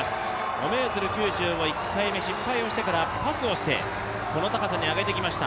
５ｍ９５、１回目、失敗をしてからパスをしてこの高さに上げてきました。